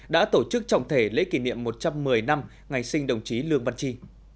đã tổ chức trọng thể lễ kỷ niệm một trăm một mươi năm ngày sinh đồng chí lương văn chi